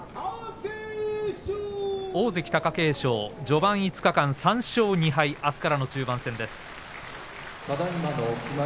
大関貴景勝、序盤５日間３勝２敗、あすからの中盤戦です。